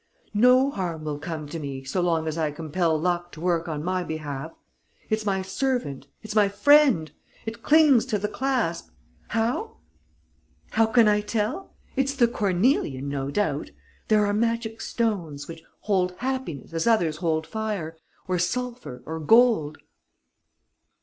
No harm will come to me so long as I compel luck to work on my behalf. It's my servant, it's my friend. It clings to the clasp. How? How can I tell? It's the cornelian, no doubt.... There are magic stones, which hold happiness, as others hold fire, or sulphur, or gold...."